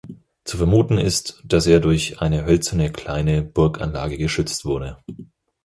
Zu vermuten ist, dass er durch eine hölzerne kleine Burganlage geschützt wurde.